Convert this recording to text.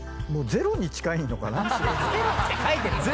ゼロって書いてる！